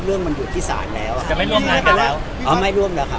เรื่องมันอยู่ที่ศาลแล้วไม่ร่วมแล้วครับ